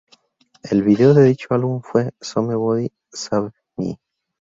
El video de dicho álbum fue "Somebody Save Me".